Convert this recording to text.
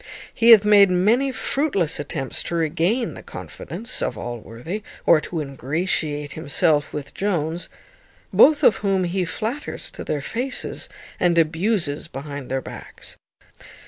He hath made many fruitless attempts to regain the confidence of Allworthy, or to ingratiate himself with Jones, both of whom he flatters to their faces, and abuses behind their backs.